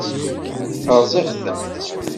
Rẓiɣ-tent.